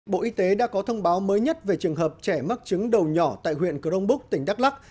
bộ y tế đã có thông báo mới nhất về trường hợp trẻ mắc chứng đầu nhỏ tại huyện cờ đông búc tỉnh đắk lắc